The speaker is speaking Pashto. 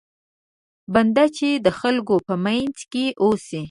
بنده چې د خلکو په منځ کې اوسي.